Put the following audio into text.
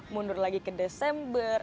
mundur lagi ke desember